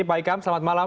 pak ikam selamat malam